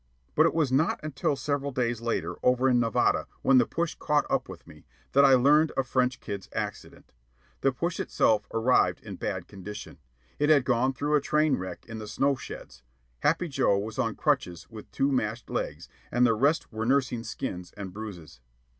But it was not until several days later, over in Nevada, when the push caught up with me, that I learned of French Kid's accident. The push itself arrived in bad condition. It had gone through a train wreck in the snow sheds; Happy Joe was on crutches with two mashed legs, and the rest were nursing skins and bruises.